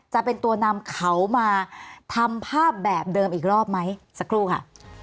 จะเป็นตัวนำเขามาทำภาพแบบเดิมอีกรอบไหมสักครู่ค่ะ